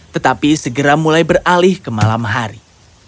tetapi segera mulai beralih ke malam hari